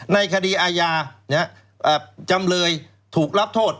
ในคดีอาญาจำเลยถูกรับโทษ